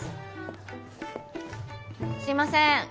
すいません。